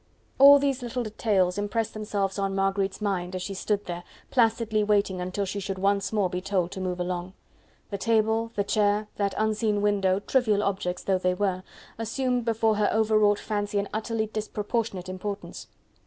All these little details impressed themselves on Marguerite's mind, as she stood there, placidly waiting until she should once more be told to move along. The table, the chair, that unseen window, trivial objects though they were, assumed before her overwrought fancy an utterly disproportionate importance.